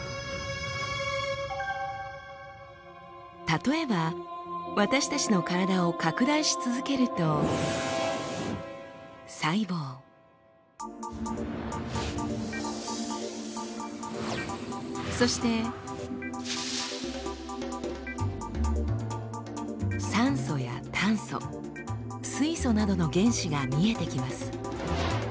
例えば私たちの体を拡大し続けると細胞そして酸素や炭素水素などの原子が見えてきます。